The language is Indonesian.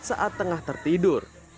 saat tengah tertidur